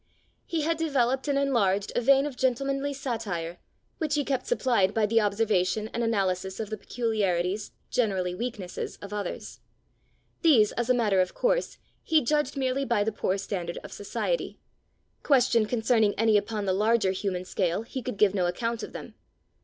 He had developed and enlarged a vein of gentlemanly satire, which he kept supplied by the observation and analysis of the peculiarities, generally weaknesses, of others. These, as a matter of course, he judged merely by the poor standard of society: questioned concerning any upon the larger human scale, he could give no account of them.